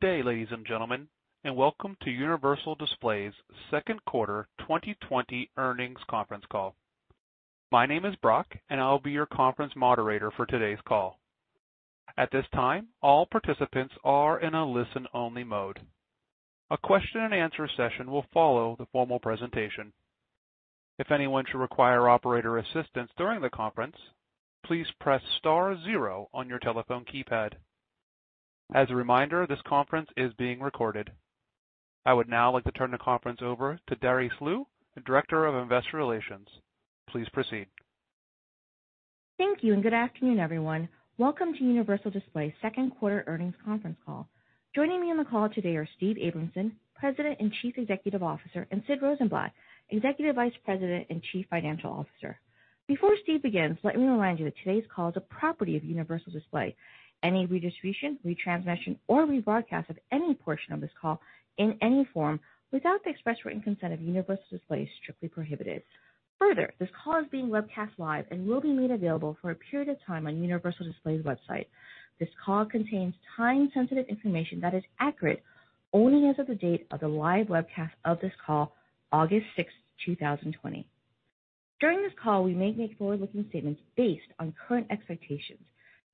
Good day, ladies and gentlemen, and welcome to Universal Display's second quarter 2020 earnings conference call. My name is Brock, and I'll be your conference moderator for today's call. At this time, all participants are in a listen-only mode. A question-and-answer session will follow the formal presentation. If anyone should require operator assistance during the conference, please press star zero on your telephone keypad. As a reminder, this conference is being recorded. I would now like to turn the conference over to Darice Liu, Director of Investor Relations. Please proceed. Thank you, and good afternoon, everyone. Welcome to Universal Display's second quarter earnings conference call. Joining me on the call today are Steve Abramson, President and Chief Executive Officer, and Sid Rosenblatt, Executive Vice President and Chief Financial Officer. Before Steve begins, let me remind you that today's call is a property of Universal Display. Any redistribution, retransmission, or rebroadcast of any portion of this call in any form without the express written consent of Universal Display is strictly prohibited. Further, this call is being webcast live and will be made available for a period of time on Universal Display's website. This call contains time-sensitive information that is accurate only as of the date of the live webcast of this call, August 6th, 2020. During this call, we may make forward-looking statements based on current expectations.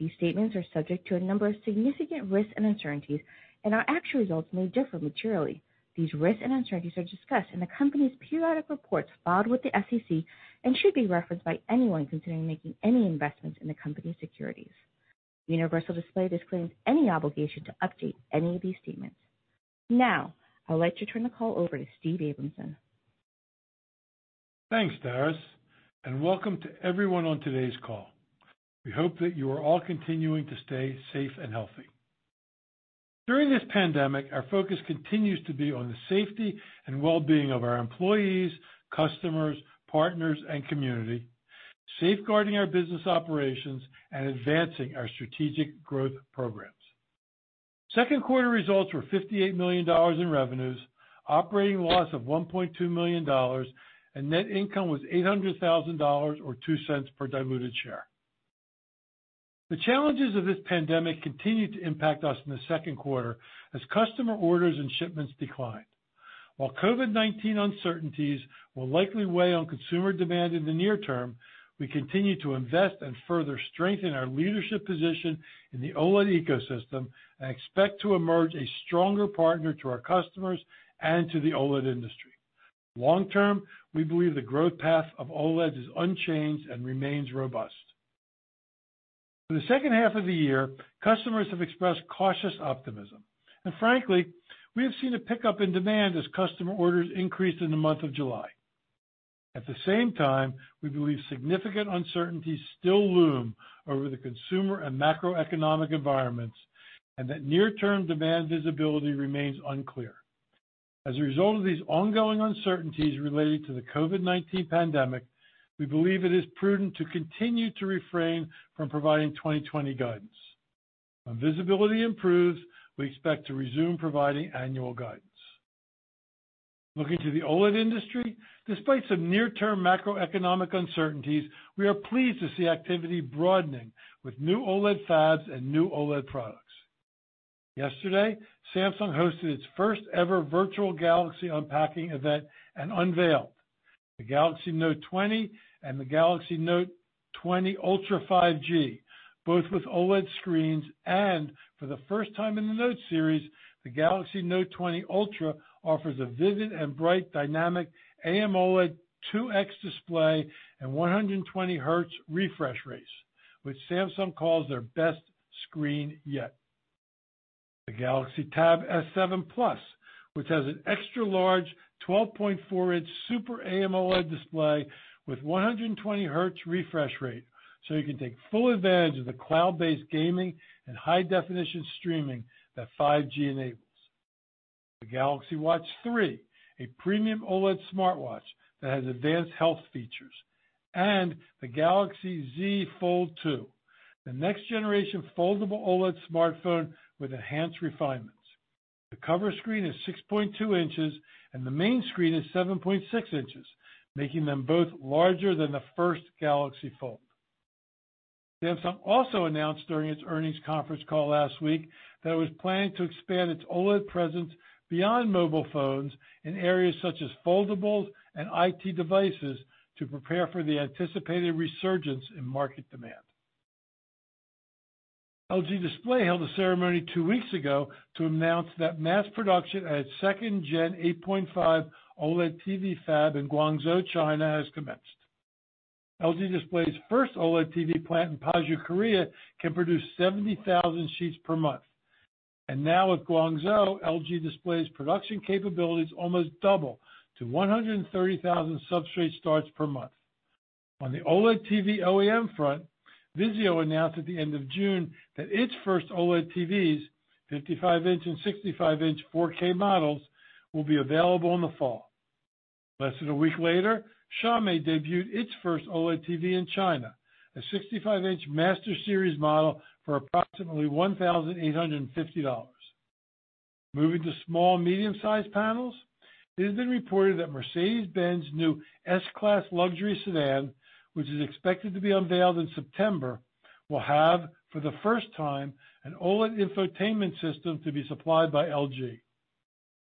These statements are subject to a number of significant risks and uncertainties, and our actual results may differ materially. These risks and uncertainties are discussed in the company's periodic reports filed with the SEC and should be referenced by anyone considering making any investments in the company's securities. Universal Display disclaims any obligation to update any of these statements. Now, I would like to turn the call over to Steve Abramson. Thanks, Darice, and welcome to everyone on today's call. We hope that you are all continuing to stay safe and healthy. During this pandemic, our focus continues to be on the safety and well-being of our employees, customers, partners, and community, safeguarding our business operations and advancing our strategic growth programs. Second quarter results were $58 million in revenues, operating loss of $1.2 million, and net income was $800,000 or $0.02 per diluted share. The challenges of this pandemic continue to impact us in the second quarter as customer orders and shipments declined. While COVID-19 uncertainties will likely weigh on consumer demand in the near term, we continue to invest and further strengthen our leadership position in the OLED ecosystem and expect to emerge a stronger partner to our customers and to the OLED industry. Long term, we believe the growth path of OLEDs is unchanged and remains robust. For the second half of the year, customers have expressed cautious optimism, and frankly, we have seen a pickup in demand as customer orders increased in the month of July. At the same time, we believe significant uncertainties still loom over the consumer and macroeconomic environments and that near-term demand visibility remains unclear. As a result of these ongoing uncertainties related to the COVID-19 pandemic, we believe it is prudent to continue to refrain from providing 2020 guidance. When visibility improves, we expect to resume providing annual guidance. Looking to the OLED industry, despite some near-term macroeconomic uncertainties, we are pleased to see activity broadening with new OLED fabs and new OLED products. Yesterday, Samsung hosted its first-ever virtual Galaxy Unpacked event and unveiled the Galaxy Note 20 and the Galaxy Note 20 Ultra 5G, both with OLED screens. For the first time in the Note series, the Galaxy Note 20 Ultra offers a vivid and bright Dynamic AMOLED 2X display and 120 Hz refresh rates, which Samsung calls their best screen yet. The Galaxy Tab S7 Plus, which has an extra-large 12.4-inch Super AMOLED display with 120 Hz refresh rates, so you can take full advantage of the cloud-based gaming and high-definition streaming that 5G enables. The Galaxy Watch 3, a premium OLED smartwatch that has advanced health features, and the Galaxy Z Fold 2, the next-generation foldable OLED smartphone with enhanced refinements. The cover screen is 6.2 inches, and the main screen is 7.6 inches, making them both larger than the first Galaxy Fold. Samsung also announced during its earnings conference call last week that it was planning to expand its OLED presence beyond mobile phones in areas such as foldables and IT devices to prepare for the anticipated resurgence in market demand. LG Display held a ceremony two weeks ago to announce that mass production at its second-gen 8.5 OLED TV fab in Guangzhou, China, has commenced. LG Display's first OLED TV plant in Paju, Korea, can produce 70,000 sheets per month, and now with Guangzhou, LG Display's production capabilities almost double to 130,000 substrate starts per month. On the OLED TV OEM front, Vizio announced at the end of June that its first OLED TVs, 55-inch and 65-inch 4K models, will be available in the fall. Less than a week later, Xiaomi debuted its first OLED TV in China, a 65-inch Master Series model for approximately $1,850. Moving to small-medium-size panels, it has been reported that Mercedes-Benz's new S-Class luxury sedan, which is expected to be unveiled in September, will have, for the first time, an OLED infotainment system to be supplied by LG,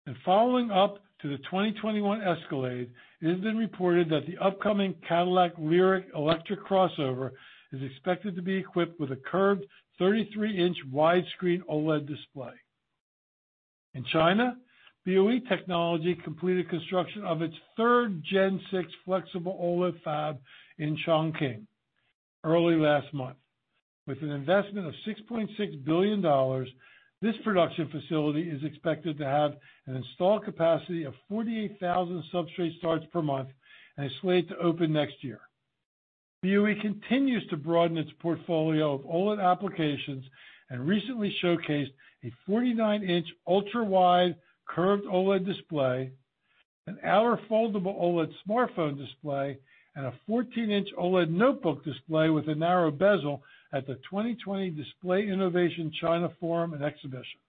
and following up to the 2021 Escalade, it has been reported that the upcoming Cadillac LYRIQ electric crossover is expected to be equipped with a curved 33-inch widescreen OLED display. In China, BOE Technology completed construction of its third Gen 6 flexible OLED fab in Chongqing early last month. With an investment of $6.6 billion, this production facility is expected to have an installed capacity of 48,000 substrate starts per month and is slated to open next year. BOE continues to broaden its portfolio of OLED applications and recently showcased a 49-inch ultra-wide curved OLED display, an outer foldable OLED smartphone display, and a 14-inch OLED notebook display with a narrow bezel at the 2020 Display Innovation China Forum and Exhibition.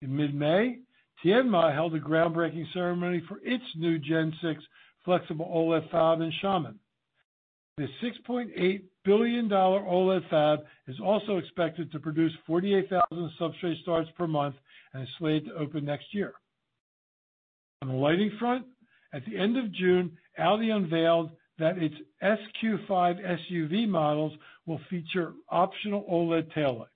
In mid-May, Tianma held a groundbreaking ceremony for its new Gen 6 flexible OLED fab in Xiamen. The $6.8 billion OLED fab is also expected to produce 48,000 substrate starts per month and is slated to open next year. On the lighting front, at the end of June, Audi unveiled that its SQ5 SUV models will feature optional OLED taillights.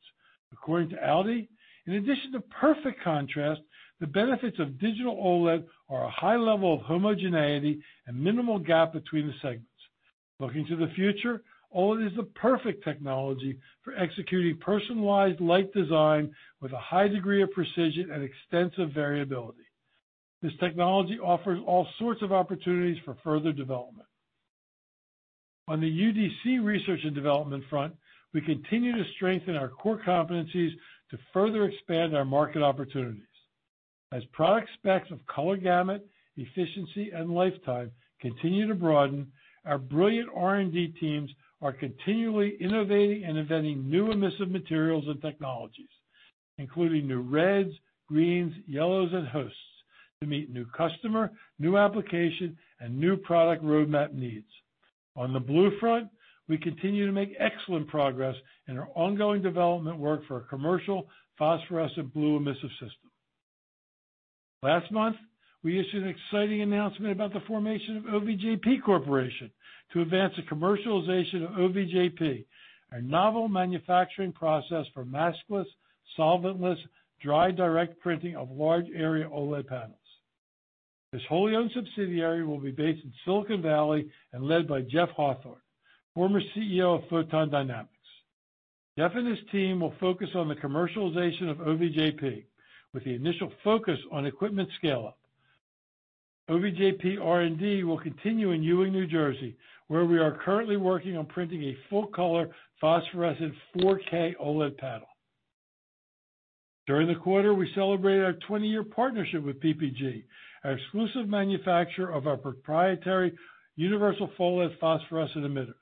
According to Audi, in addition to perfect contrast, the benefits of digital OLED are a high level of homogeneity and minimal gap between the segments. Looking to the future, OLED is the perfect technology for executing personalized light design with a high degree of precision and extensive variability. This technology offers all sorts of opportunities for further development. On the UDC research and development front, we continue to strengthen our core competencies to further expand our market opportunities. As product specs of color gamut, efficiency, and lifetime continue to broaden, our brilliant R&D teams are continually innovating and inventing new emissive materials and technologies, including new reds, greens, yellows, and hosts, to meet new customer, new application, and new product roadmap needs. On the blue front, we continue to make excellent progress in our ongoing development work for a commercial phosphorescent blue emissive system. Last month, we issued an exciting announcement about the formation of OVJP Corporation to advance the commercialization of OVJP, a novel manufacturing process for maskless, solventless, dry direct printing of large area OLED panels. This wholly owned subsidiary will be based in Silicon Valley and led by Jeff Hawthorne, former CEO of Photon Dynamics. Jeff and his team will focus on the commercialization of OVJP, with the initial focus on equipment scale-up. OVJP R&D will continue in Ewing, New Jersey, where we are currently working on printing a full-color phosphorescent 4K OLED panel. During the quarter, we celebrated our 20-year partnership with PPG, our exclusive manufacturer of our proprietary UniversalPHOLED phosphorescent emitters.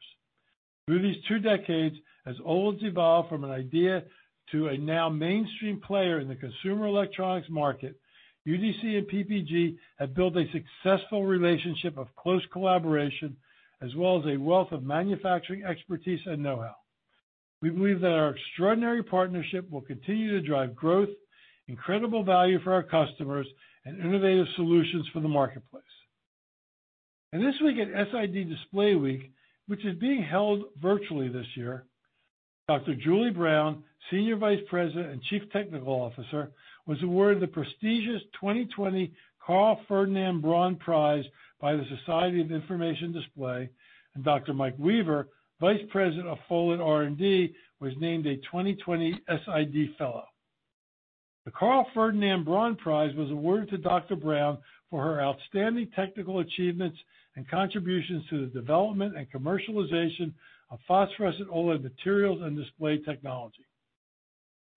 Through these two decades, as OLEDs evolved from an idea to a now mainstream player in the consumer electronics market, UDC and PPG have built a successful relationship of close collaboration as well as a wealth of manufacturing expertise and know-how. We believe that our extraordinary partnership will continue to drive growth, incredible value for our customers, and innovative solutions for the marketplace. This week at SID Display Week, which is being held virtually this year, Dr. Julie Brown, Senior Vice President and Chief Technical Officer, was awarded the prestigious 2020 Karl Ferdinand Braun Prize by the Society for Information Display, and Dr. Mike Weaver, Vice President of PHOLED R&D, was named a 2020 SID Fellow. The Karl Ferdinand Braun Prize was awarded to Dr. Brown for her outstanding technical achievements and contributions to the development and commercialization of phosphorescent OLED materials and display technology.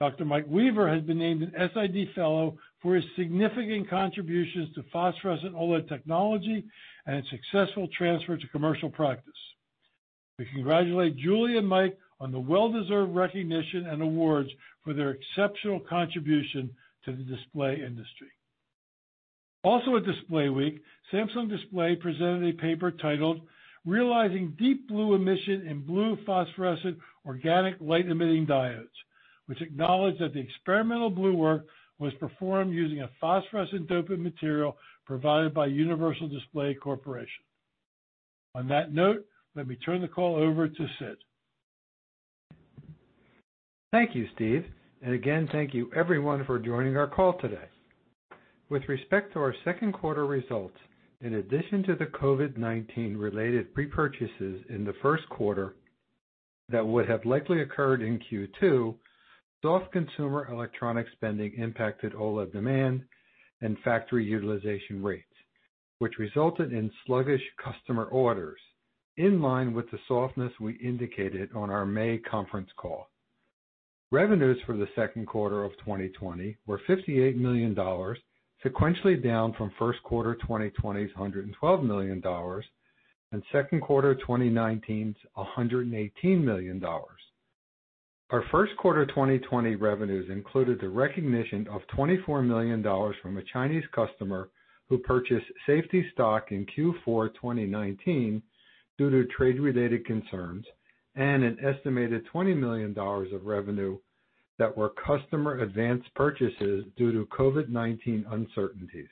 Dr. Mike Weaver has been named an SID Fellow for his significant contributions to phosphorescent OLED technology and its successful transfer to commercial practice. We congratulate Julie and Mike on the well-deserved recognition and awards for their exceptional contribution to the display industry. Also at Display Week, Samsung Display presented a paper titled "Realizing Deep Blue Emission in Blue Phosphorescent Organic Light-Emitting Diodes," which acknowledged that the experimental blue work was performed using a phosphorescent dopant material provided by Universal Display Corporation. On that note, let me turn the call over to Sid. Thank you, Steve. Again, thank you everyone for joining our call today. With respect to our second quarter results, in addition to the COVID-19-related pre-purchases in the first quarter that would have likely occurred in Q2, soft consumer electronic spending impacted OLED demand and factory utilization rates, which resulted in sluggish customer orders, in line with the softness we indicated on our May conference call. Revenues for the second quarter of 2020 were $58 million, sequentially down from first quarter 2020's $112 million and second quarter 2019's $118 million. Our first quarter 2020 revenues included the recognition of $24 million from a Chinese customer who purchased safety stock in Q4 2019 due to trade-related concerns and an estimated $20 million of revenue that were customer advanced purchases due to COVID-19 uncertainties.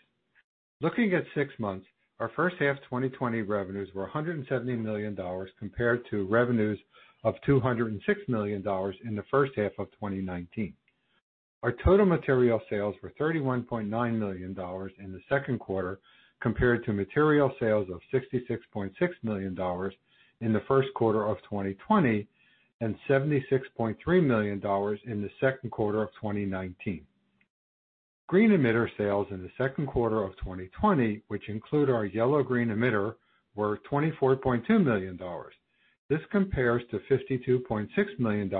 Looking at six months, our first half 2020 revenues were $170 million compared to revenues of $206 million in the first half of 2019. Our total material sales were $31.9 million in the second quarter compared to material sales of $66.6 million in the first quarter of 2020 and $76.3 million in the second quarter of 2019. Green emitter sales in the second quarter of 2020, which include our yellow-green emitter, were $24.2 million. This compares to $52.6 million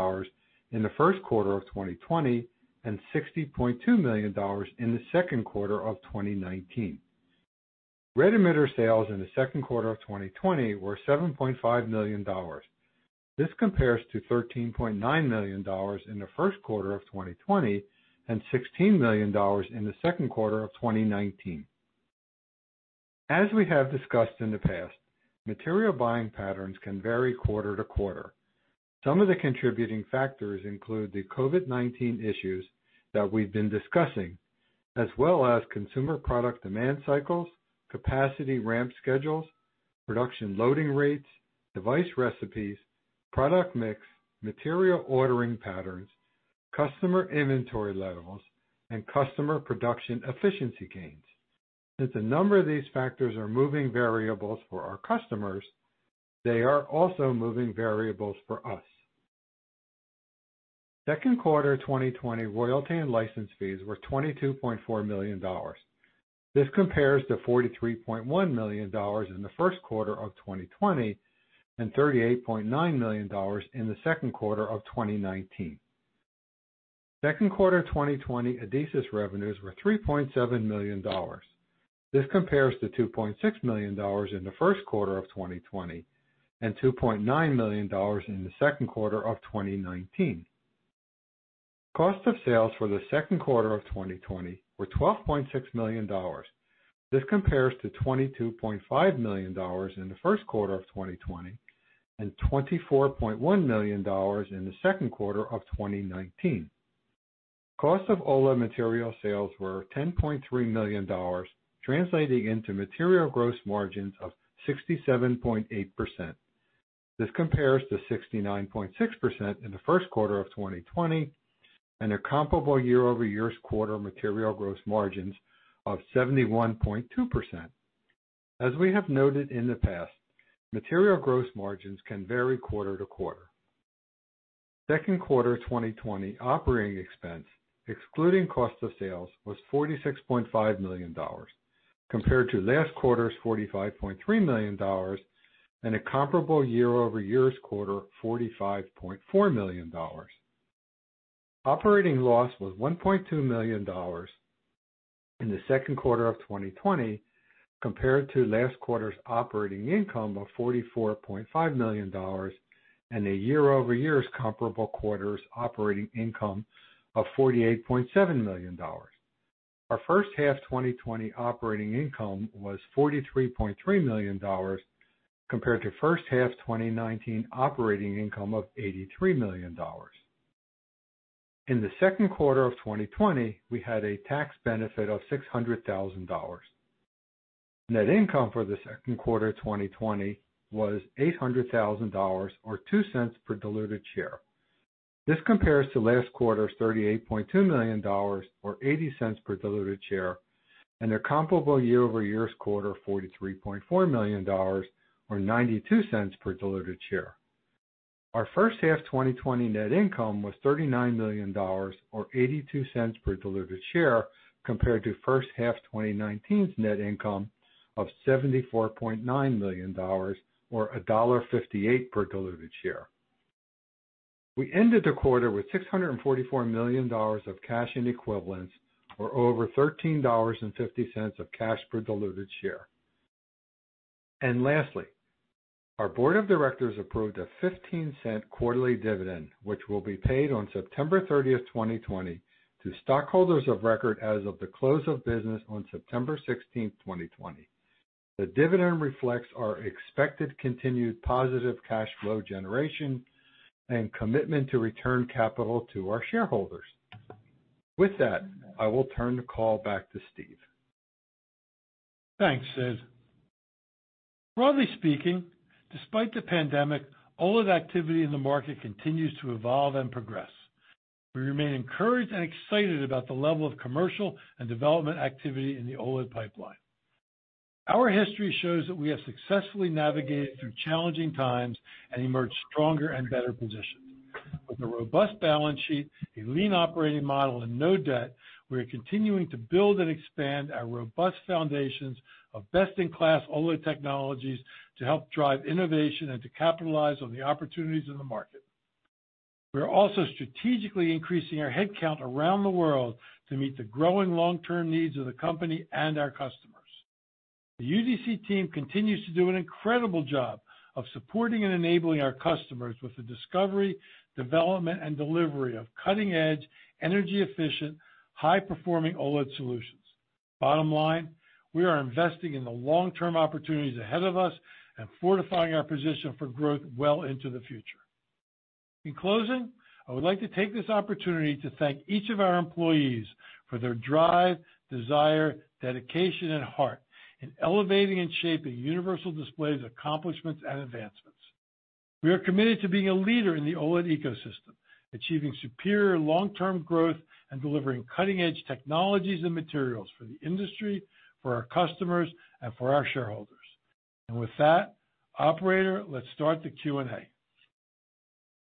in the first quarter of 2020 and $60.2 million in the second quarter of 2019. Red emitter sales in the second quarter of 2020 were $7.5 million. This compares to $13.9 million in the first quarter of 2020 and $16 million in the second quarter of 2019. As we have discussed in the past, material buying patterns can vary quarter to quarter. Some of the contributing factors include the COVID-19 issues that we've been discussing, as well as consumer product demand cycles, capacity ramp schedules, production loading rates, device recipes, product mix, material ordering patterns, customer inventory levels, and customer production efficiency gains. Since a number of these factors are moving variables for our customers, they are also moving variables for us. Second quarter 2020 royalty and license fees were $22.4 million. This compares to $43.1 million in the first quarter of 2020 and $38.9 million in the second quarter of 2019. Second quarter 2020 adhesive revenues were $3.7 million. This compares to $2.6 million in the first quarter of 2020 and $2.9 million in the second quarter of 2019. Cost of sales for the second quarter of 2020 were $12.6 million. This compares to $22.5 million in the first quarter of 2020 and $24.1 million in the second quarter of 2019. Cost of OLED material sales were $10.3 million, translating into material gross margins of 67.8%. This compares to 69.6% in the first quarter of 2020 and a comparable year-over-year quarter material gross margins of 71.2%. As we have noted in the past, material gross margins can vary quarter to quarter. Second quarter 2020 operating expense, excluding cost of sales, was $46.5 million, compared to last quarter's $45.3 million and a comparable year-over-year quarter's $45.4 million. Operating loss was $1.2 million in the second quarter of 2020, compared to last quarter's operating income of $44.5 million and a year-over-year comparable quarter's operating income of $48.7 million. Our first half 2020 operating income was $43.3 million, compared to first half 2019 operating income of $83 million. In the second quarter of 2020, we had a tax benefit of $600,000. Net income for the second quarter 2020 was $800,000 or $0.02 per diluted share. This compares to last quarter's $38.2 million or $0.80 per diluted share and a comparable year-over-year quarter of $43.4 million or $0.92 per diluted share. Our first half 2020 net income was $39 million or $0.82 per diluted share, compared to first half 2019's net income of $74.9 million or $1.58 per diluted share. We ended the quarter with $644 million of cash and equivalents, or over $13.50 of cash per diluted share. Lastly, our Board of Directors approved a $0.15 quarterly dividend, which will be paid on September 30th, 2020, to stockholders of record as of the close of business on September 16th, 2020. The dividend reflects our expected continued positive cash flow generation and commitment to return capital to our shareholders. With that, I will turn the call back to Steve. Thanks, Sid. Broadly speaking, despite the pandemic, OLED activity in the market continues to evolve and progress. We remain encouraged and excited about the level of commercial and development activity in the OLED pipeline. Our history shows that we have successfully navigated through challenging times and emerged stronger and better positions. With a robust balance sheet, a lean operating model, and no debt, we are continuing to build and expand our robust foundations of best-in-class OLED technologies to help drive innovation and to capitalize on the opportunities in the market. We are also strategically increasing our headcount around the world to meet the growing long-term needs of the company and our customers. The UDC team continues to do an incredible job of supporting and enabling our customers with the discovery, development, and delivery of cutting-edge, energy-efficient, high-performing OLED solutions. Bottom line, we are investing in the long-term opportunities ahead of us and fortifying our position for growth well into the future. In closing, I would like to take this opportunity to thank each of our employees for their drive, desire, dedication, and heart in elevating and shaping Universal Display's accomplishments and advancements. We are committed to being a leader in the OLED ecosystem, achieving superior long-term growth and delivering cutting-edge technologies and materials for the industry, for our customers, and for our shareholders. And with that, Operator, let's start the Q&A.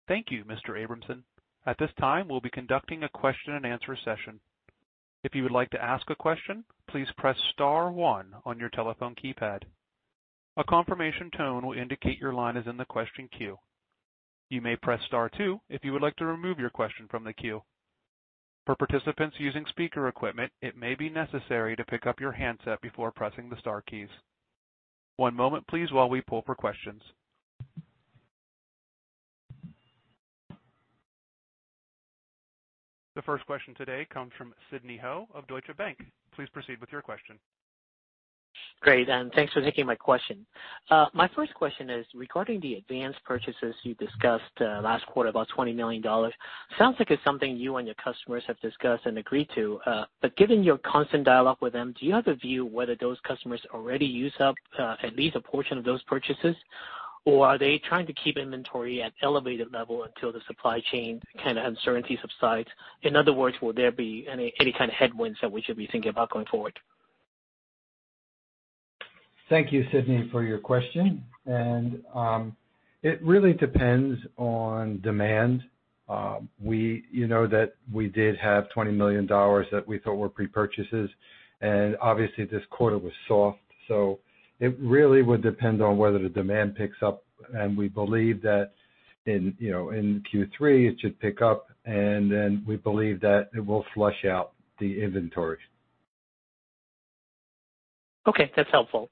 Thank you, Mr. Abramson. At this time, we'll be conducting a question-and-answer session. If you would like to ask a question, please press Star 1 on your telephone keypad. A confirmation tone will indicate your line is in the question queue. You may press Star 2 if you would like to remove your question from the queue. For participants using speaker equipment, it may be necessary to pick up your handset before pressing the Star keys. One moment, please, while we pull for questions. The first question today comes from Sidney Ho of Deutsche Bank. Please proceed with your question. Great. And thanks for taking my question. My first question is regarding the advanced purchases you discussed last quarter, about $20 million. Sounds like it's something you and your customers have discussed and agreed to. But given your constant dialogue with them, do you have a view whether those customers already use up at least a portion of those purchases, or are they trying to keep inventory at an elevated level until the supply chain kind of uncertainty subsides? In other words, will there be any kind of headwinds that we should be thinking about going forward? Thank you, Sidney, for your question. It really depends on demand. We know that we did have $20 million that we thought were pre-purchases. Obviously, this quarter was soft. It really would depend on whether the demand picks up. We believe that in Q3, it should pick up. Then we believe that it will flush out the inventory. Okay. That's helpful.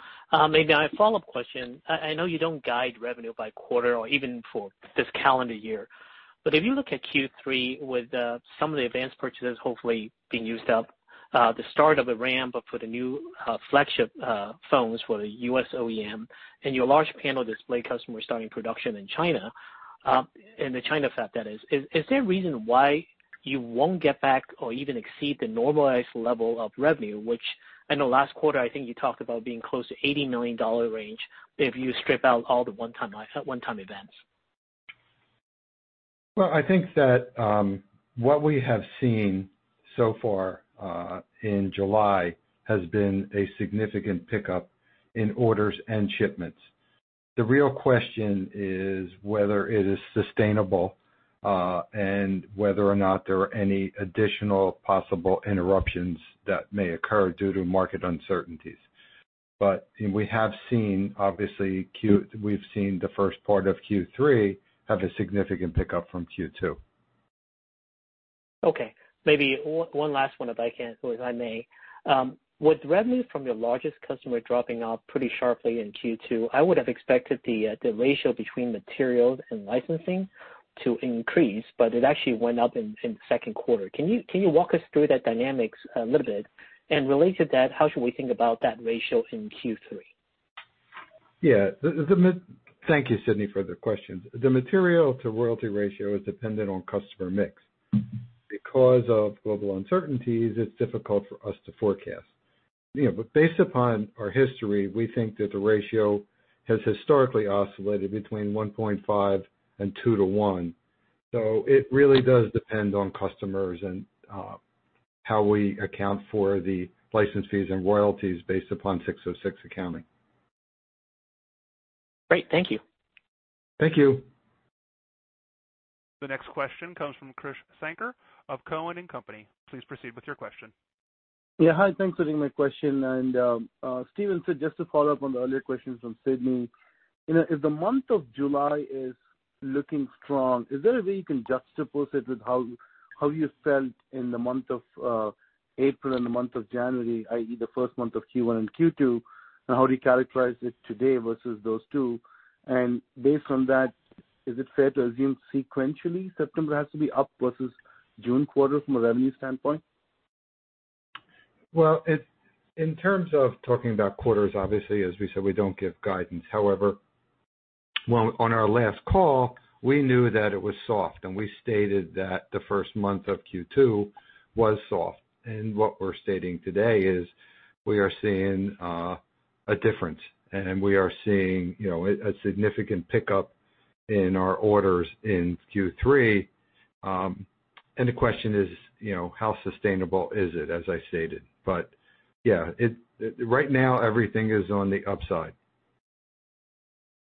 Maybe my follow-up question. I know you don't guide revenue by quarter or even for this calendar year. But if you look at Q3 with some of the advanced purchases hopefully being used up, the start of a ramp for the new flagship phones for the US OEM, and your large panel display customers starting production in China, and the China fab that is, is there a reason why you won't get back or even exceed the normalized level of revenue, which I know last quarter, I think you talked about being close to $80 million range if you strip out all the one-time events? I think that what we have seen so far in July has been a significant pickup in orders and shipments. The real question is whether it is sustainable and whether or not there are any additional possible interruptions that may occur due to market uncertainties. We have seen, obviously, the first part of Q3 have a significant pickup from Q2. Okay. Maybe one last one, if I may. With revenue from your largest customer dropping off pretty sharply in Q2, I would have expected the ratio between materials and licensing to increase, but it actually went up in the second quarter. Can you walk us through that dynamic a little bit? And related to that, how should we think about that ratio in Q3? Yeah. Thank you, Sidney, for the question. The material-to-royalty ratio is dependent on customer mix. Because of global uncertainties, it's difficult for us to forecast. Based upon our history, we think that the ratio has historically oscillated between 1.5 and 2 to 1. So it really does depend on customers and how we account for the license fees and royalties based upon 606 accounting. Great. Thank you. Thank you. The next question comes from Krish Sankar of Cowen and Company. Please proceed with your question. Yeah. Hi. Thanks for taking my question. And Steven, just to follow up on the earlier questions from Sidney, if the month of July is looking strong, is there a way you can juxtapose it with how you felt in the month of April and the month of January, i.e., the first month of Q1 and Q2? And how do you characterize it today versus those two? And based on that, is it fair to assume sequentially September has to be up versus June quarter from a revenue standpoint? In terms of talking about quarters, obviously, as we said, we don't give guidance. However, on our last call, we knew that it was soft. We stated that the first month of Q2 was soft. What we're stating today is we are seeing a difference. We are seeing a significant pickup in our orders in Q3. The question is, how sustainable is it, as I stated? Yeah, right now, everything is on the upside.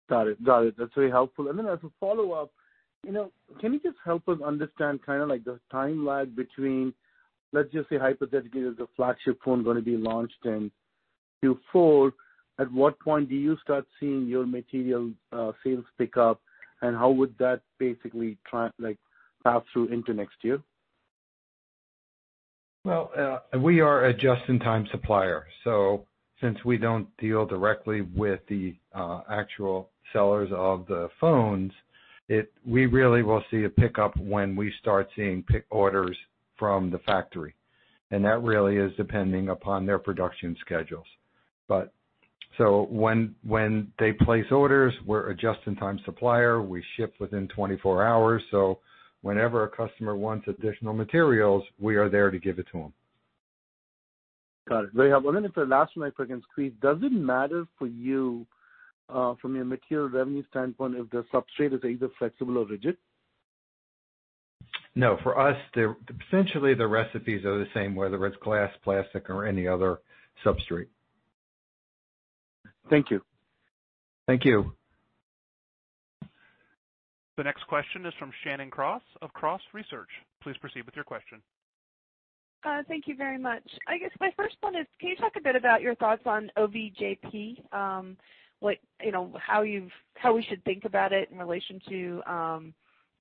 Got it. Got it. That's very helpful. And then as a follow-up, can you just help us understand kind of the time lag between, let's just say, hypothetically, there's a flagship phone going to be launched in Q4, at what point do you start seeing your material sales pick up? And how would that basically pass through into next year? We are a just-in-time supplier. Since we don't deal directly with the actual sellers of the phones, we really will see a pickup when we start seeing orders from the factory. That really is depending upon their production schedules. When they place orders, we're a just-in-time supplier. We ship within 24 hours. Whenever a customer wants additional materials, we are there to give it to them. Got it. Very helpful. And then if the last one I forget, please, does it matter for you from your material revenue standpoint if the substrate is either flexible or rigid? No. For us, essentially, the recipes are the same, whether it's glass, plastic, or any other substrate. Thank you. Thank you. The next question is from Shannon Cross of Cross Research. Please proceed with your question. Thank you very much. I guess my first one is, can you talk a bit about your thoughts on OVJP, how we should think about it in relation to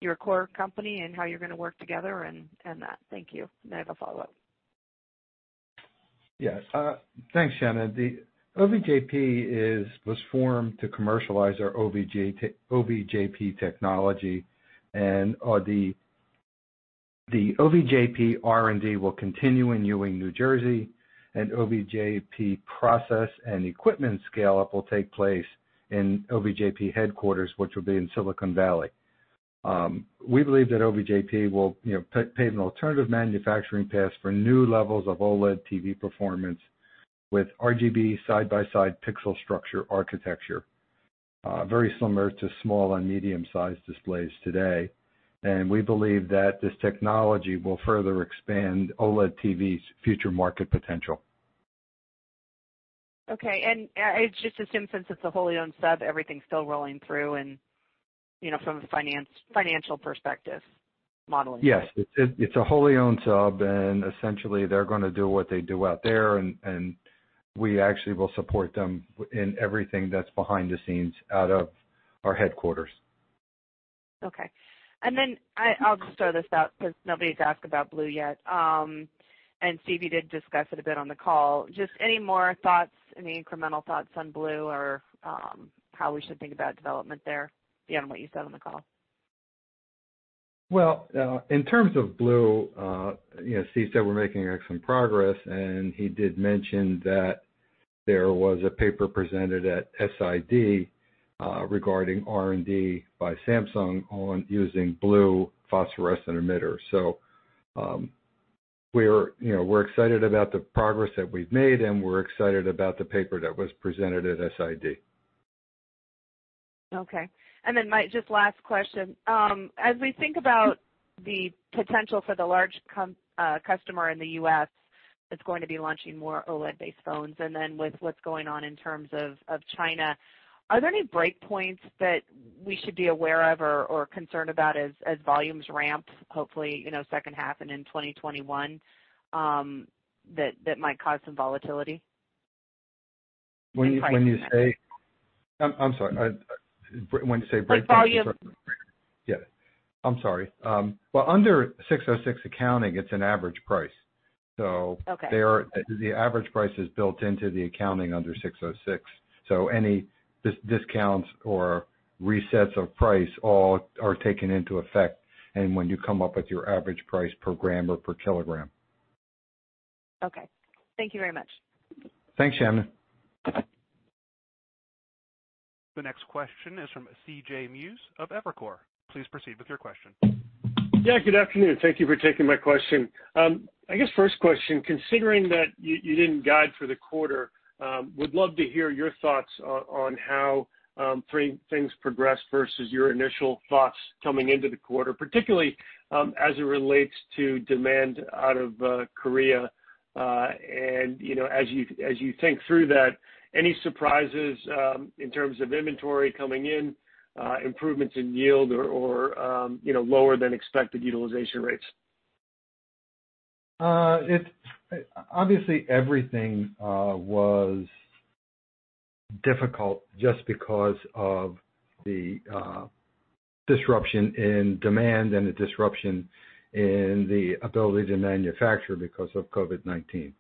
your core company and how you're going to work together and that? Thank you. And I have a follow-up. Yeah. Thanks, Shannon. The OVJP was formed to commercialize our OVJP technology. And the OVJP R&D will continue in Ewing, New Jersey. And OVJP process and equipment scale-up will take place in OVJP headquarters, which will be in Silicon Valley. We believe that OVJP will pave an alternative manufacturing path for new levels of OLED TV performance with RGB side-by-side pixel structure architecture, very similar to small and medium-sized displays today. And we believe that this technology will further expand OLED TV's future market potential. Okay. And it's just OVJP that's a wholly-owned sub, everything's still rolling through from a financial perspective modeling? Yes. It's a wholly-owned sub. And essentially, they're going to do what they do out there. And we actually will support them in everything that's behind the scenes out of our headquarters. Okay. And then I'll just throw this out because nobody's asked about Blue yet. And Stevie did discuss it a bit on the call. Just any more thoughts, any incremental thoughts on Blue or how we should think about development there beyond what you said on the call? In terms of blue, Steve said we're making excellent progress. He did mention that there was a paper presented at SID regarding R&D by Samsung on using blue phosphorescence emitter. We're excited about the progress that we've made. We're excited about the paper that was presented at SID. Okay, and then just the last question. As we think about the potential for the large customer in the U.S. that's going to be launching more OLED-based phones, and then with what's going on in terms of China, are there any breakpoints that we should be aware of or concerned about as volumes ramp, hopefully second half and in 2021, that might cause some volatility? When you say. Volume. I'm sorry. When you say breakpoints? Volume. Yeah. I'm sorry. Well, under 606 accounting, it's an average price. So the average price is built into the accounting under 606. So any discounts or resets of price all are taken into effect when you come up with your average price per gram or per kilogram. Okay. Thank you very much. Thanks, Shannon. The next question is from C.J. Muse of Evercore. Please proceed with your question. Yeah. Good afternoon. Thank you for taking my question. I guess first question, considering that you didn't guide for the quarter, would love to hear your thoughts on how things progressed versus your initial thoughts coming into the quarter, particularly as it relates to demand out of Korea. And as you think through that, any surprises in terms of inventory coming in, improvements in yield, or lower-than-expected utilization rates? Obviously, everything was difficult just because of the disruption in demand and the disruption in the ability to manufacture because of COVID-19.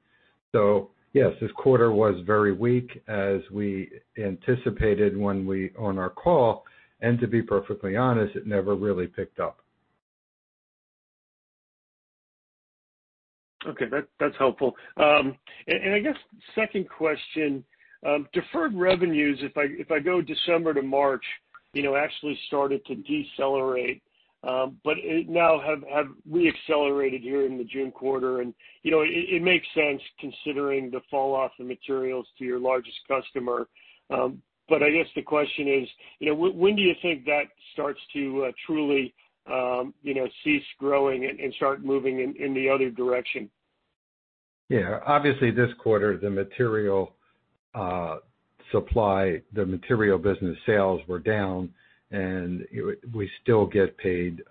So yes, this quarter was very weak as we anticipated on our call, and to be perfectly honest, it never really picked up. Okay. That's helpful. And I guess second question, deferred revenues, if I go December to March, actually started to decelerate. But now have we accelerated here in the June quarter? And it makes sense considering the falloff in materials to your largest customer. But I guess the question is, when do you think that starts to truly cease growing and start moving in the other direction? Yeah. Obviously, this quarter, the material business sales were down, and we still get paid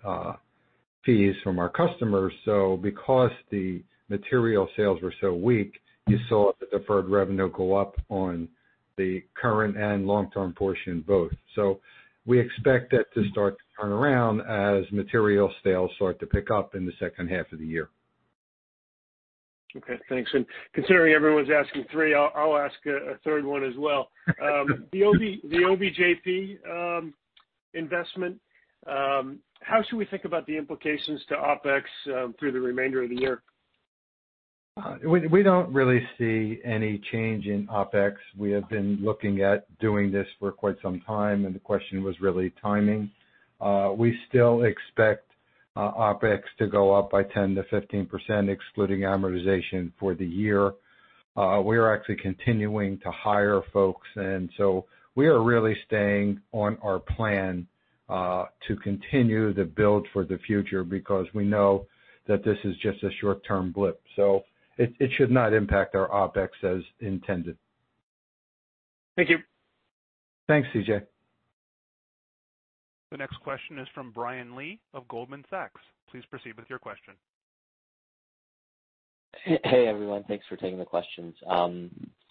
fees from our customers, so because the material sales were so weak, you saw the deferred revenue go up on the current and long-term portion both, so we expect that to start to turn around as material sales start to pick up in the second half of the year. Okay. Thanks. And considering everyone's asking three, I'll ask a third one as well. The OVJP investment, how should we think about the implications to OpEx through the remainder of the year? We don't really see any change in OpEx. We have been looking at doing this for quite some time, and the question was really timing. We still expect OpEx to go up by 10%-15%, excluding amortization for the year. We are actually continuing to hire folks, and so we are really staying on our plan to continue the build for the future because we know that this is just a short-term blip, so it should not impact our OpEx as intended. Thank you. Thanks, CJ. The next question is from Brian Lee of Goldman Sachs. Please proceed with your question. Hey, everyone. Thanks for taking the questions.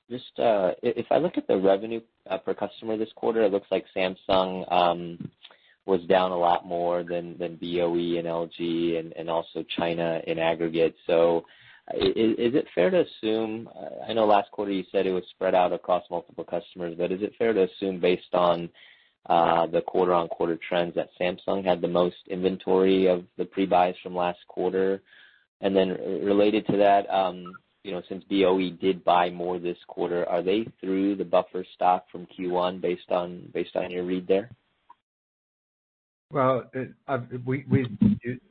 If I look at the revenue per customer this quarter, it looks like Samsung was down a lot more than BOE and LG and also China in aggregate. So is it fair to assume? I know last quarter you said it was spread out across multiple customers. But is it fair to assume based on the quarter-on-quarter trends that Samsung had the most inventory of the pre-buys from last quarter? And then related to that, since BOE did buy more this quarter, are they through the buffer stock from Q1 based on your read there? We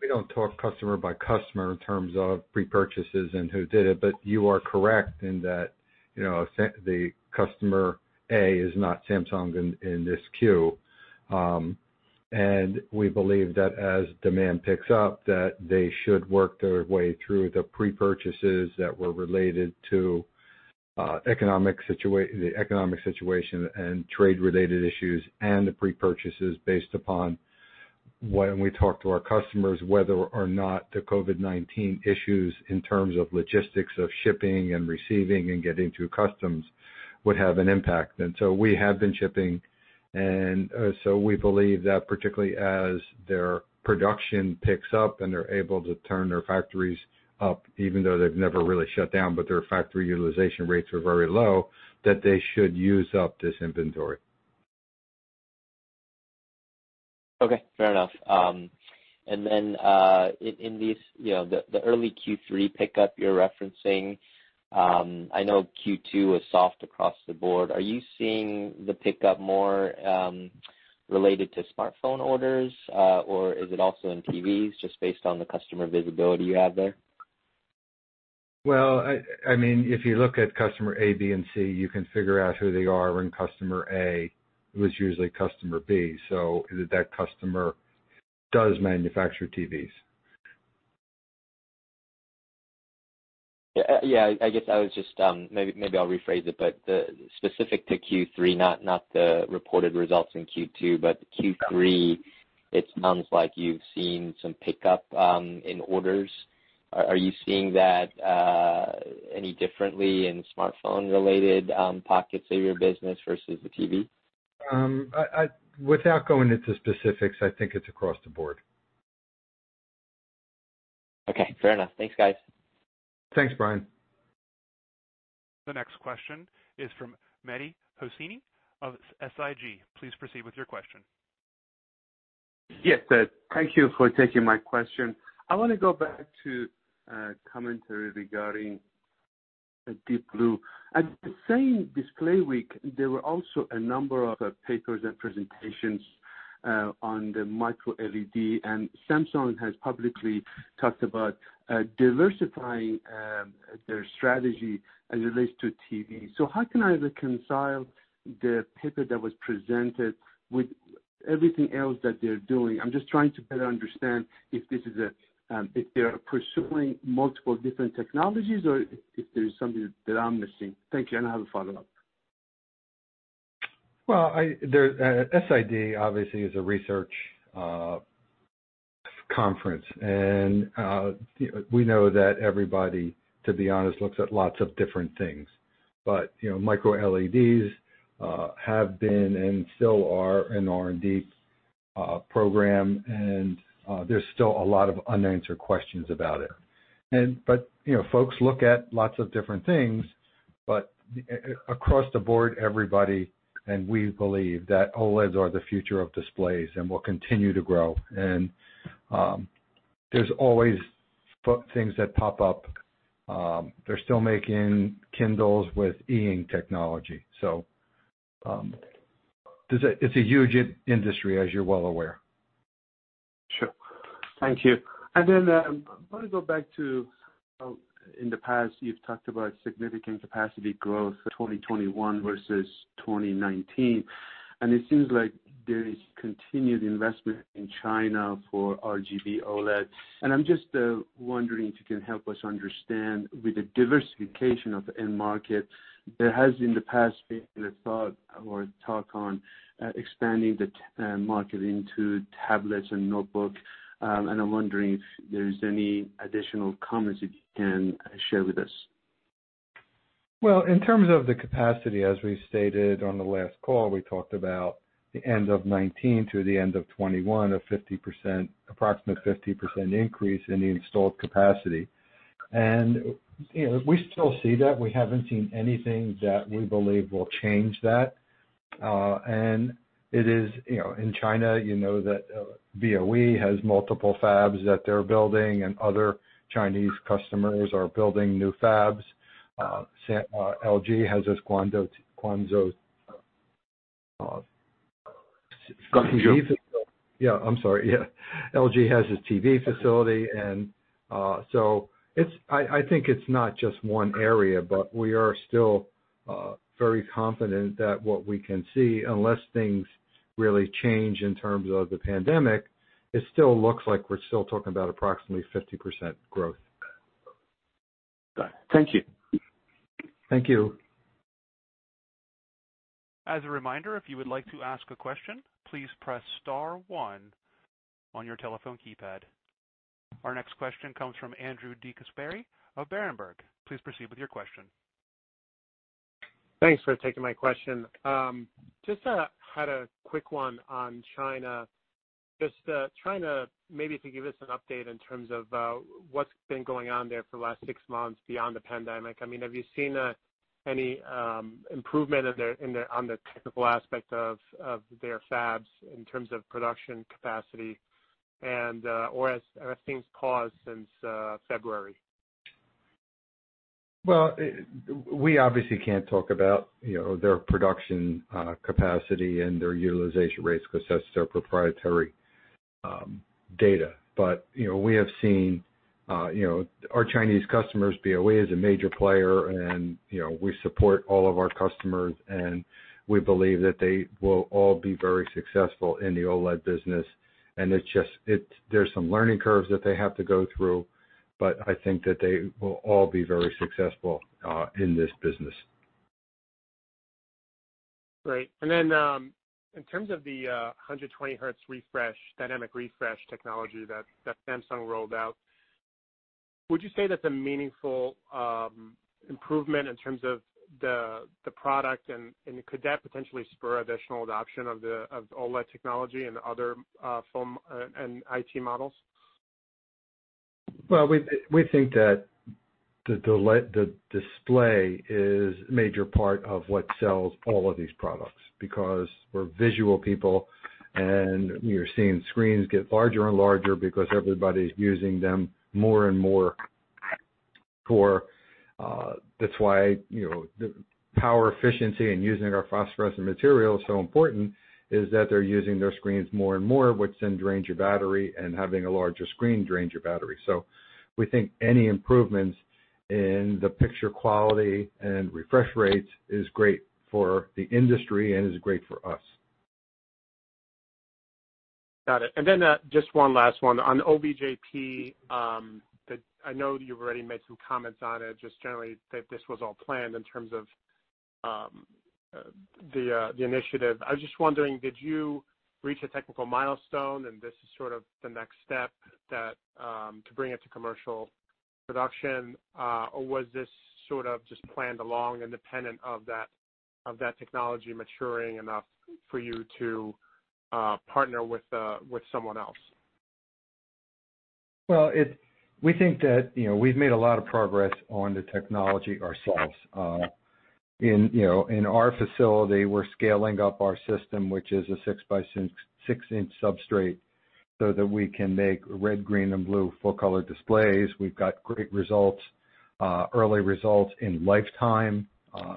don't talk customer by customer in terms of pre-purchases and who did it. You are correct in that the customer A is not Samsung in this queue. We believe that as demand picks up, that they should work their way through the pre-purchases that were related to the economic situation and trade-related issues and the pre-purchases based upon when we talk to our customers whether or not the COVID-19 issues in terms of logistics of shipping and receiving and getting through customs would have an impact. We have been shipping. We believe that particularly as their production picks up and they're able to turn their factories up, even though they've never really shut down, but their factory utilization rates are very low, that they should use up this inventory. Okay. Fair enough. And then in the early Q3 pickup you're referencing, I know Q2 was soft across the board. Are you seeing the pickup more related to smartphone orders? Or is it also in TVs just based on the customer visibility you have there? Well, I mean, if you look at customer A, B, and C, you can figure out who they are. And customer A was usually customer B. So that customer does manufacture TVs. Yeah. I guess I was just maybe I'll rephrase it. But specific to Q3, not the reported results in Q2, but Q3, it sounds like you've seen some pickup in orders. Are you seeing that any differently in smartphone-related pockets of your business versus the TV? Without going into specifics, I think it's across the board. Okay. Fair enough. Thanks, guys. Thanks, Brian. The next question is from Mehdi Hosseini of SIG. Please proceed with your question. Yes. Thank you for taking my question. I want to go back to a commentary regarding Deep Blue. At the same Display Week, there were also a number of papers and presentations on the micro-LED. And Samsung has publicly talked about diversifying their strategy as it relates to TV. So how can I reconcile the paper that was presented with everything else that they're doing? I'm just trying to better understand if they are pursuing multiple different technologies or if there is something that I'm missing. Thank you. And I have a follow-up. SID obviously is a research conference. We know that everybody, to be honest, looks at lots of different things. Micro-LEDs have been and still are an R&D program. There's still a lot of unanswered questions about it. Folks look at lots of different things. Across the board, everybody and we believe that OLEDs are the future of displays and will continue to grow. There's always things that pop up. They're still making Kindles with E Ink technology. It's a huge industry, as you're well aware. Sure. Thank you. And then I want to go back to, in the past, you've talked about significant capacity growth, 2021 versus 2019. And it seems like there is continued investment in China for RGB OLED. And I'm just wondering if you can help us understand with the diversification of the end market, there has in the past been a thought or talk on expanding the market into tablets and notebooks. And I'm wondering if there's any additional comments that you can share with us. In terms of the capacity, as we stated on the last call, we talked about the end of 2019 to the end of 2021, approximately a 50% increase in the installed capacity. We still see that. We haven't seen anything that we believe will change that. In China, you know that BOE has multiple fabs that they're building. Other Chinese customers are building new fabs. LG has its Guangzhou facility. LG has its TV facility. So I think it's not just one area. We are still very confident that what we can see, unless things really change in terms of the pandemic, it still looks like we're still talking about approximately 50% growth. Got it. Thank you. Thank you. As a reminder, if you would like to ask a question, please press star one on your telephone keypad. Our next question comes from Andrew DeGasperi of Berenberg. Please proceed with your question. Thanks for taking my question. Just had a quick one on China. Just trying to maybe if you give us an update in terms of what's been going on there for the last six months beyond the pandemic. I mean, have you seen any improvement on the technical aspect of their fabs in terms of production capacity? Or have things paused since February? We obviously can't talk about their production capacity and their utilization rates because that's their proprietary data. We have seen our Chinese customers. BOE is a major player. We support all of our customers. We believe that they will all be very successful in the OLED business. There's some learning curves that they have to go through. I think that they will all be very successful in this business. Great. And then in terms of the 120Hz dynamic refresh technology that Samsung rolled out, would you say that's a meaningful improvement in terms of the product? And could that potentially spur additional adoption of the OLED technology and other mobile and IT models? We think that the display is a major part of what sells all of these products because we're visual people. We are seeing screens get larger and larger because everybody's using them more and more. That's why the power efficiency and using our phosphorescent material is so important: they're using their screens more and more, which then drains your battery. Having a larger screen drains your battery. We think any improvements in the picture quality and refresh rates is great for the industry and is great for us. Got it. And then just one last one. On OVJP, I know you've already made some comments on it. Just generally, this was all planned in terms of the initiative. I was just wondering, did you reach a technical milestone? And this is sort of the next step to bring it to commercial production. Or was this sort of just planned along independent of that technology maturing enough for you to partner with someone else? We think that we've made a lot of progress on the technology ourselves. In our facility, we're scaling up our system, which is a 6x6-inch substrate so that we can make red, green, and blue full-color displays. We've got great results, early results in lifetime.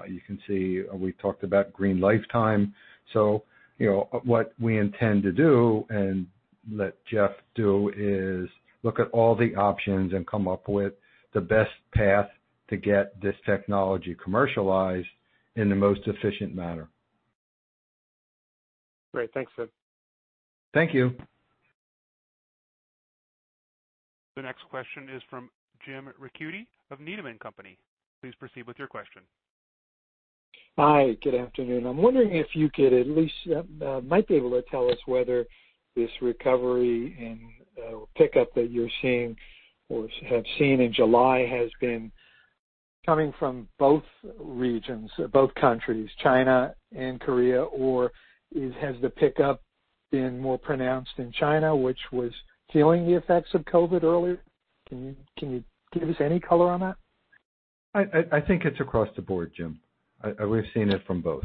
You can see we talked about green lifetime. What we intend to do and let Jeff do is look at all the options and come up with the best path to get this technology commercialized in the most efficient manner. Great. Thanks, sir. Thank you. The next question is from Jim Ricchiuti of Needham & Company. Please proceed with your question. Hi. Good afternoon. I'm wondering if you could at least be able to tell us whether this recovery and pickup that you're seeing or have seen in July has been coming from both regions, both countries, China and Korea. Or has the pickup been more pronounced in China, which was feeling the effects of COVID earlier? Can you give us any color on that? I think it's across the board, Jim. We've seen it from both.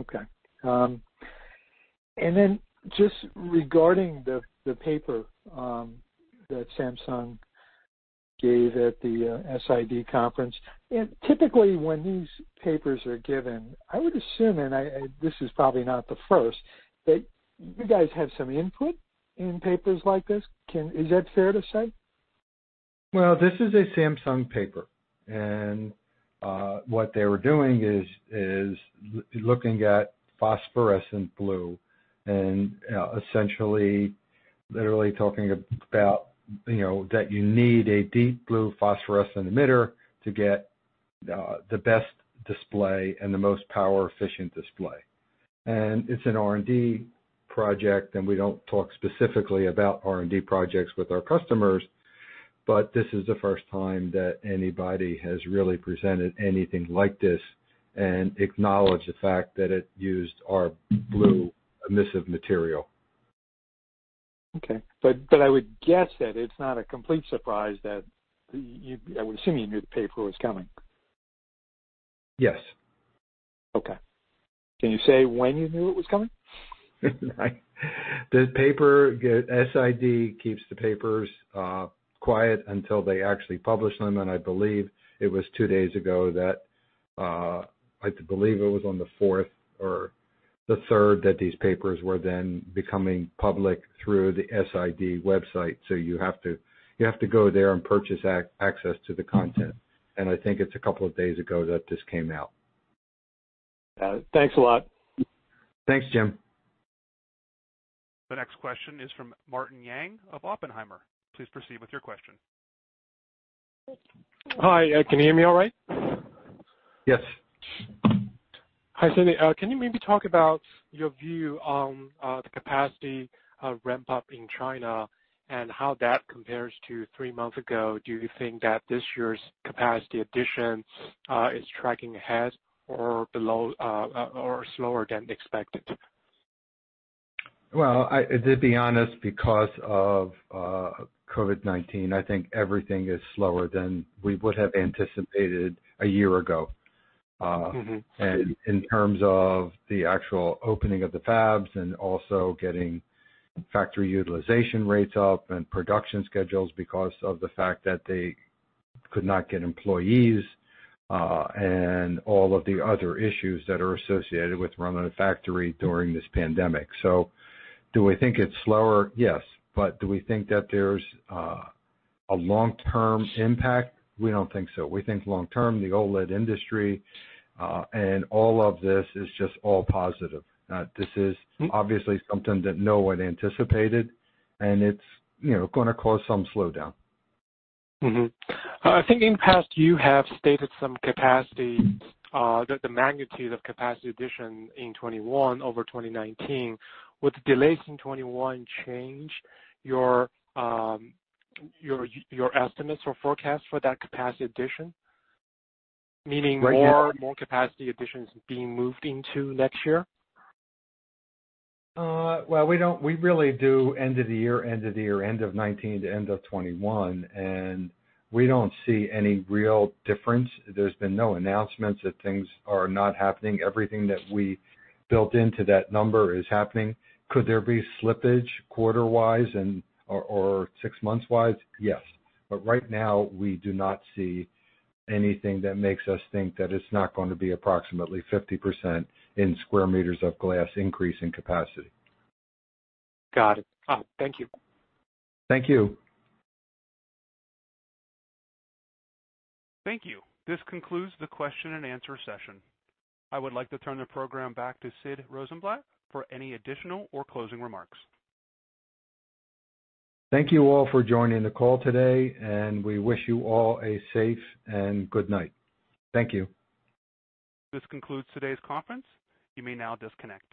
Okay. And then just regarding the paper that Samsung gave at the SID conference, typically when these papers are given, I would assume - and this is probably not the first - that you guys have some input in papers like this. Is that fair to say? This is a Samsung paper. What they were doing is looking at phosphorescent blue and essentially literally talking about that you need a deep blue phosphorescent emitter to get the best display and the most power-efficient display. It's an R&D project. We don't talk specifically about R&D projects with our customers. This is the first time that anybody has really presented anything like this and acknowledged the fact that it used our blue emissive material. Okay. But I would guess that it's not a complete surprise that I would assume you knew the paper was coming. Yes. Okay. Can you say when you knew it was coming? The SID keeps the papers quiet until they actually publish them. And I believe it was two days ago that it was on the 4th or the 3rd that these papers were then becoming public through the SID website. So you have to go there and purchase access to the content. And I think it's a couple of days ago that this came out. Got it. Thanks a lot. Thanks, Jim. The next question is from Martin Yang of Oppenheimer. Please proceed with your question. Hi. Can you hear me all right? Yes. Hi, Sidney. Can you maybe talk about your view on the capacity ramp-up in China and how that compares to three months ago? Do you think that this year's capacity addition is tracking ahead or slower than expected? Well, to be honest, because of COVID-19, I think everything is slower than we would have anticipated a year ago. And in terms of the actual opening of the fabs and also getting factory utilization rates up and production schedules because of the fact that they could not get employees and all of the other issues that are associated with running a factory during this pandemic. So do we think it's slower? Yes. But do we think that there's a long-term impact? We don't think so. We think long-term, the OLED industry and all of this is just all positive. This is obviously something that no one anticipated. And it's going to cause some slowdown. Thinking back, you have stated some capacity, the magnitude of capacity addition in 2021 over 2019. Would the delays in 2021 change your estimates or forecast for that capacity addition? Meaning more capacity additions being moved into next year? We really do end of the year, end of 2019 to end of 2021. We don't see any real difference. There's been no announcements that things are not happening. Everything that we built into that number is happening. Could there be slippage quarter-wise or six months-wise? Yes. Right now, we do not see anything that makes us think that it's not going to be approximately 50% in square meters of glass increase in capacity. Got it. Thank you. Thank you. Thank you. This concludes the question and answer session. I would like to turn the program back to Sid Rosenblatt for any additional or closing remarks. Thank you all for joining the call today. We wish you all a safe and good night. Thank you. This concludes today's conference. You may now disconnect.